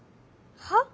はっ？